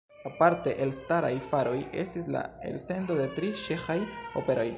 Aparte elstaraj faroj estis la elsendo de tri ĉeĥaj operoj.